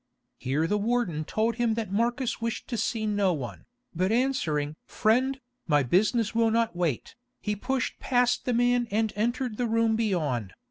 Here the warden told him that Marcus wished to see no one, but answering "Friend, my business will not wait," he pushed past the man and entered the room beyond.